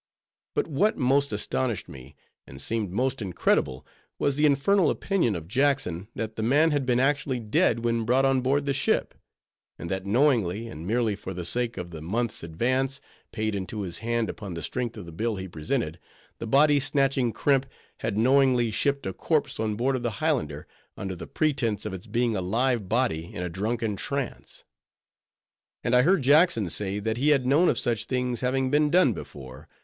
But what most astonished me, and seemed most incredible, was the infernal opinion of Jackson, that the man had been actually dead when brought on board the ship; and that knowingly, and merely for the sake of the month's advance, paid into his hand upon the strength of the bill he presented, the body snatching crimp had knowingly shipped a corpse on board of the Highlander, under the pretense of its being a live body in a drunken trance. And I heard Jackson say, that he had known of such things having been done before.